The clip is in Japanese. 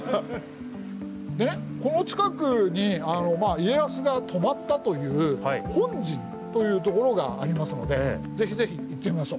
この近くに家康が泊まったという「本陣」というところがありますので是非是非行ってみましょう。